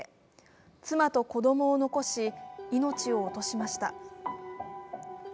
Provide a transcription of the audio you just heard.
妻と子供を残し命を落としました。